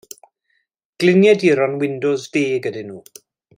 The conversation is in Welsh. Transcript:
Gliniaduron Windows Deg ydyn nhw.